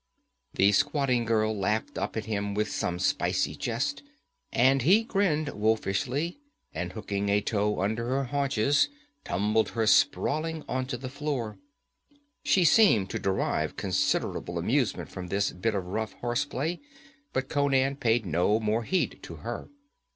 The squatting girl laughed up at him, with some spicy jest, and he grinned wolfishly, and hooking a toe under her haunches, tumbled her sprawling onto the floor. She seemed to derive considerable amusement from this bit of rough horse play, but Conan paid no more heed to her.